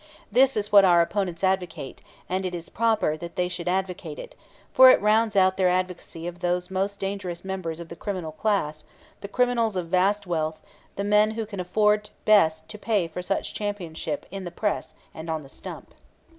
This is what our opponents advocate, and it is proper that they should advocate it, for it rounds out their advocacy of those most dangerous members of the criminal class, the criminals of vast wealth, the men who can afford best to pay for such championship in the press and on the stump.